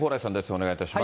お願いいたします。